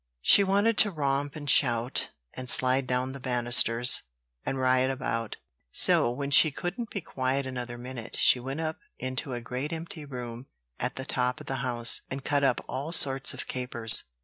She wanted to romp and shout, and slide down the banisters, and riot about; so, when she couldn't be quiet another minute, she went up into a great empty room at the top of the house, and cut up all sorts of capers.